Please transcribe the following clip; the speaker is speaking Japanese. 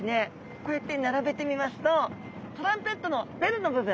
こうやって並べてみますとトランペットのベルの部分。